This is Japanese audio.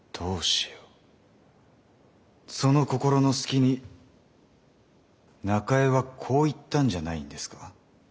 その心の隙に中江はこう言ったんじゃないんですか？